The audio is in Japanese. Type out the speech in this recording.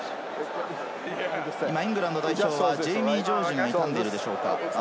イングランド代表はジェイミー・ジョージが傷んでいるでしょうか。